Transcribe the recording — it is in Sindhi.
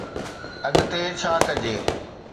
اڳتي ڇا ڪجي؟